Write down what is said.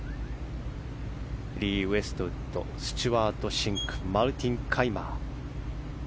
リー・ウェストウッドスチュワート・シンクマルティン・カイマー。